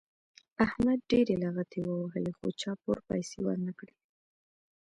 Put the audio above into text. احمد ډېرې لغتې ووهلې خو چا پور پیسې ور نه کړلې.